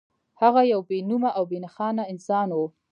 هغه يو بې نومه او بې نښانه انسان و.